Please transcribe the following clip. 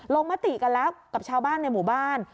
มติกันแล้วกับชาวบ้านในหมู่บ้าน